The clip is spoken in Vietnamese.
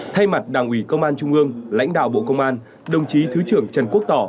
thay mặt đảng ủy công an trung ương lãnh đạo bộ công an đồng chí thứ trưởng trần quốc tỏ